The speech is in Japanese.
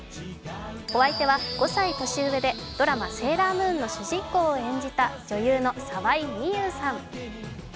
お相手は５歳年上でドラマ「セーラームーン」の主人公を演じた女優の沢井美優さん。